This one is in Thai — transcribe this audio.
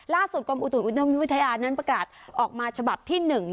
กรมอุตุนิยมวิทยานั้นประกาศออกมาฉบับที่๑